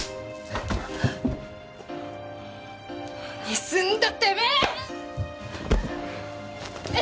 何すんだてめえ！